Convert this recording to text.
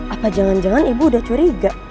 apa jangan jangan ibu udah curiga